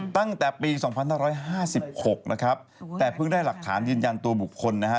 ตั้งแต่ปี๒๕๕๖นะครับแต่เพิ่งได้หลักฐานยืนยันตัวบุคคลนะฮะ